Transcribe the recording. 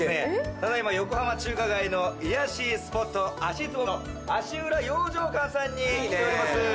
ただ今横浜中華街の癒やしスポット足つぼの足裏養生館さんに来ております。